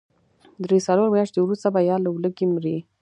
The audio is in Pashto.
درې، څلور مياشتې وروسته به يا له لوږې مري.